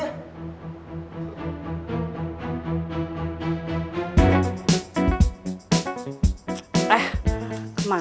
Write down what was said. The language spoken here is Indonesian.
eh kemana sih nih anak